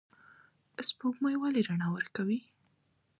سپوږمۍ ولې رڼا ورکوي؟